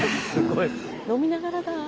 飲みながらだ。